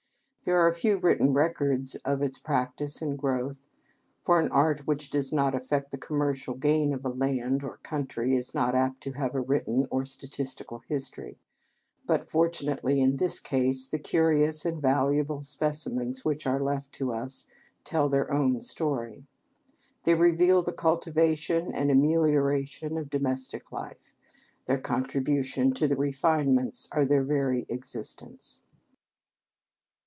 There are few written records of its practice and growth, for an art which does not affect the commercial gain of a land or country is not apt to have a written or statistical history, but, fortunately in this case, the curious and valuable specimens which are left to us tell their own story. They reveal the cultivation and amelioration of domestic life. Their contribution to the refinements are their very existence.